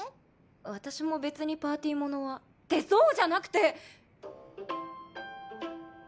私も別にパーティー物は。ってそうじゃなくて！